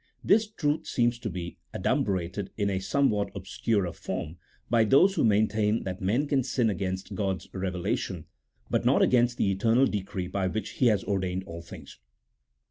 This truth seems to be adumbrated in a somewhat ob scurer form by those who maintain that men can sin against God's revelation, but not against the eternal decree by which He has ordained all things.